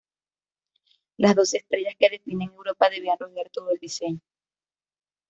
Las doce estrellas que definen Europa debían rodear todo el diseño.